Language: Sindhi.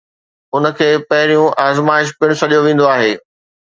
ان کي پھريون آزمائش پڻ سڏيو ويندو آھي